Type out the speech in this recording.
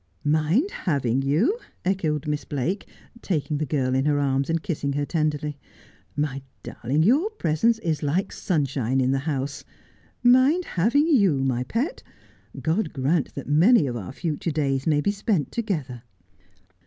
' Mind having you !' echoed Miss Blake, taking the girl in her arms and kissing her tenderly, ' my darling, your presence is like sunshine in the house. Mind having you, my pet ! God grant that many of our future days may be spent together.'